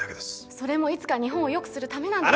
それもいつか日本をよくするためなんです